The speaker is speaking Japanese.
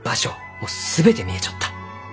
もう全て見えちょった。